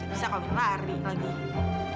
bisa kalau lari lagi